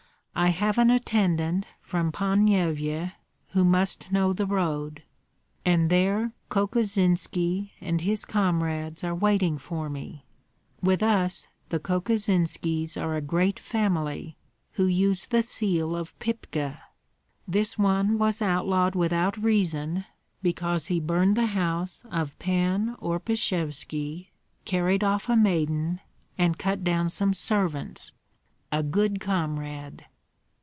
I have an attendant from Ponyevyej who must know the road. And there Kokosinski and his comrades are waiting for me. With us the Kokosinskis are a great family, who use the seal of Pypka. This one was outlawed without reason because he burned the house of Pan Orpishevski, carried off a maiden, and cut down some servants. A good comrade!